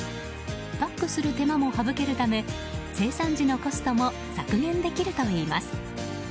パックする手間も省けるため生産時のコストも削減できるといいます。